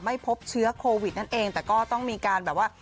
ไม่พบเชื้อโควิดนั่นเองแต่ก็ต้องมีการแบบว่า